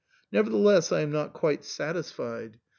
Nevertheless I am not quite satisfied.